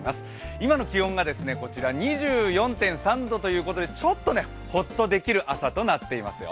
今の気温が２４．３度ということでちょっとほっとできる朝となっています。